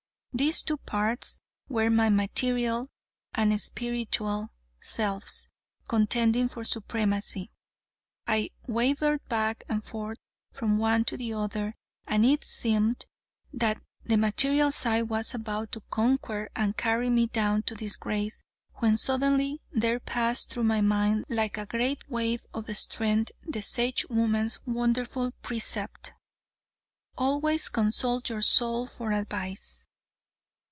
These two parts were my material and spiritual selves, contending for supremacy. I wavered back and forth, from one to the other, and it seemed that the material side was about to conquer and carry me down to disgrace, when suddenly there passed through my mind like a great wave of strength the Sagewoman's wonderful precept: "Always consult your soul for advice.